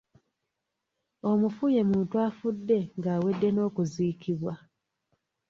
Omufu ye muntu afudde ng’awedde n’okuziikibwa.